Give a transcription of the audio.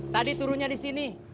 tadi turunnya disini